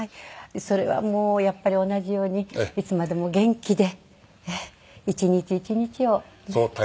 それはもうやっぱり同じようにいつまでも元気で一日一日を大切に。